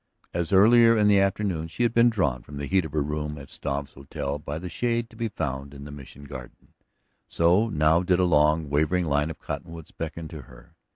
As, earlier in the afternoon, she had been drawn from the heat of her room at Struve's hotel by the shade to be found in the Mission garden, so now did a long, wavering line of cottonwoods beckon to her.